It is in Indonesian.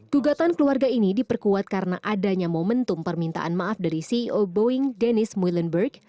gugatan keluarga ini diperkuat karena adanya momentum permintaan maaf dari ceo boeing dennis millenburg